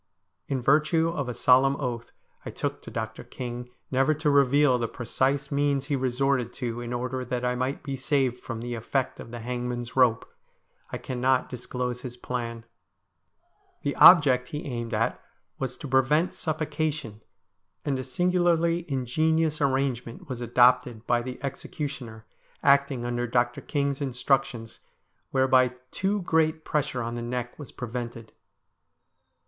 In virtue of a solemn oath I took to Dr. King never to reveal the precise means he resorted to in order that I might be saved from the effect of the hangman's rope, I cannot disclose his plan. The object he aimed at was to prevent suffocation, and a singularly ingenious arrangement was adopted by the executioner, acting under Dr. King's in structions, whereby too great pressure on the neck was pre vented.